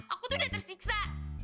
aku tuh udah tersiksa